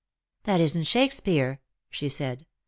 " That isn't Shakespeare," she said.